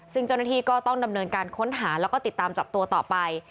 ซึ่งเจ้าหน้าที่ก็ต้องดำเนินการค้นหาแล้วก็ติดตามจับตัวต่อไป